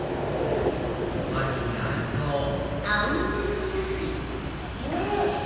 おはぎに合いそううん！